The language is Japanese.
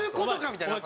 みたいな。